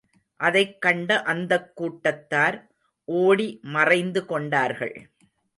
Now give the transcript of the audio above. அதைக் கண்ட அந்தக் கூட்டத்தார் ஓடி மறைந்து கொண்டார்கள்.